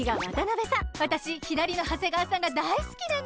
わたしひだりの長谷川さんがだいすきなの！